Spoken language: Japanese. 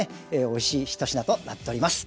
おいしい一品となっております。